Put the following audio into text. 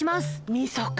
みそか！